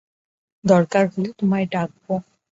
দরকার হলে তোমায় ডাকবো।